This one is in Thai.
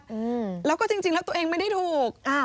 อืมแล้วก็จริงจริงแล้วตัวเองไม่ได้ถูกอ่า